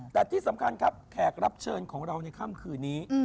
แต่ที่สำคัญครับแขกรับเชิญของเราในค่ำคืนนี้